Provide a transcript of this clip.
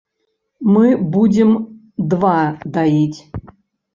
Мы будзем два даіць!